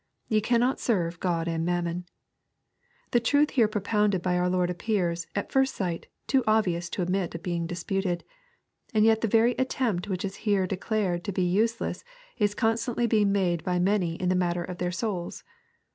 Te can not serve God and mammon." The truth here propounded by our Lord appears, at first sight, too obvious to admit of being disputed. And yet the very attempt which is here declared to be useless is constantly being made by many in the matter of their souls.